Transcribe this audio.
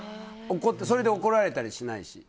それで怒られたりしないし。